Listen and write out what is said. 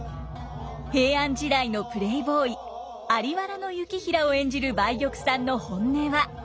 平安時代のプレーボーイ在原行平を演じる梅玉さんの本音は。